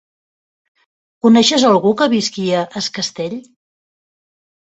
Coneixes algú que visqui a Es Castell?